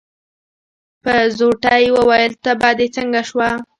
په زوټه يې وويل: تبه دې څنګه شوه؟